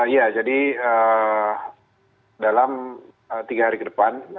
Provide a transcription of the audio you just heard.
ya jadi dalam tiga hari ke depan